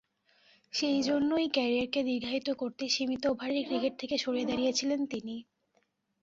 সেজন্যই ক্যারিয়ারকে দীর্ঘায়িত করতে সীমিত ওভারের ক্রিকেট থেকে সরে দাঁড়িয়েছিলেন তিনি।